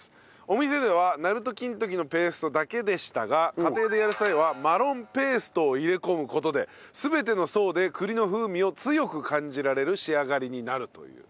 お店では鳴門金時のペーストだけでしたが家庭でやる際はマロンペーストを入れ込む事で全ての層で栗の風味を強く感じられる仕上がりになるという。